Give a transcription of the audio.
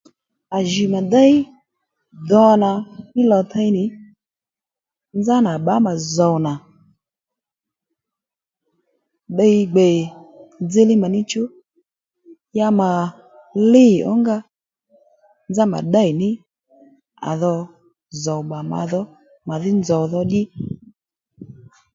À jì mà déy do nà mí lò tey nì nzánà à bbǎ mà zòw nà ddiy gbè dziylíy mà níchú ya mà lîy ǒnga nzá mà ddêy ní à dho zòw mbà mà dho màdhí nzòw dho ddí